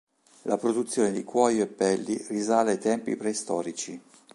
La produzione di cuoio e pelli risale ai tempi preistorici.